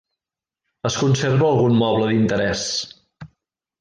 Es conserva algun moble d'interès.